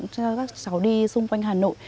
cho các cháu đi xung quanh hà nội